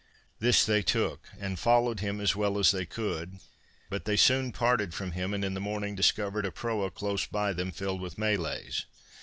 This they took and followed him as well as they could, but they soon parted from him, and in the morning discovered a proa close by them filled with Malays.